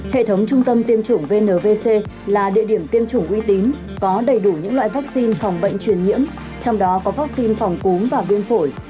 hệ thống trung tâm tiêm chủng vnvc là địa điểm tiêm chủng uy tín có đầy đủ những loại vaccine phòng bệnh truyền nhiễm trong đó có vaccine phòng cúm và viêm phổi